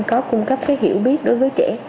có cung cấp cái hiểu biết đối với trẻ